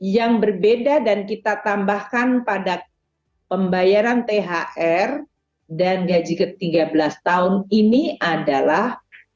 yang berbeda dan kita tambahkan pada pembayaran thr dan gaji ke tiga belas tahun ini adalah